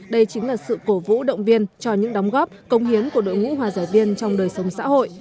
đây chính là sự cổ vũ động viên cho những đóng góp công hiến của đội ngũ hòa giải viên trong đời sống xã hội